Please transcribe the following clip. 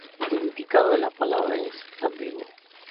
El significado de la palabra es ambiguo.